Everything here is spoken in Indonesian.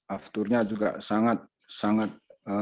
afturnya juga sangat